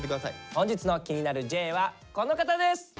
本日の「気になるＪ」はこの方です！